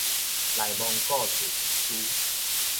內蒙古自治區